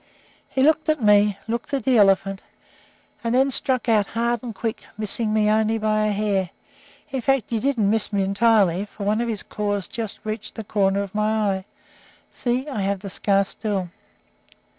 He looked at me, looked at the elephant, and then struck out hard and quick, missing me only by a hair; in fact, he didn't miss me entirely, for one of his claws just reached the corner of my eye see, I have the scar still.